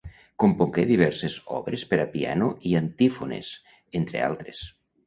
Compongué diverses obres per a piano i antífones, entre altres.